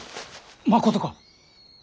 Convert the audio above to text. まことか！？